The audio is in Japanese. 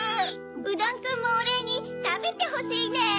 うどんくんもおれいにたべてほしいネ！